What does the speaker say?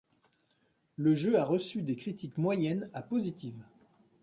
Le jeu a reçu des critiques moyennes à positives.